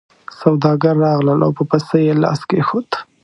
سوداګر راغلل او په پسه یې لاس کېښود.